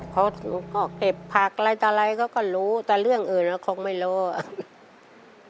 เขาก็เก็บผักอะไรต่ออะไรเขาก็รู้แต่เรื่องอื่นก็คงไม่รู้อ่ะ